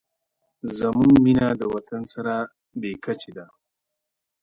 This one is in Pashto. زموږ مینه د وطن سره بې کچې ده.